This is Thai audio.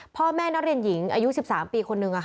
พ่อแม่นักเรียนหญิงอายุ๑๓ปีคนนึง